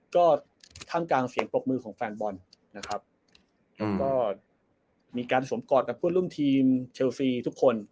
ก็ท่ามกลางเสียงปรบมือของแฟนบอลนะครับแล้วก็มีการสวมกอดกับเพื่อนร่วมทีมเชลซีทุกคน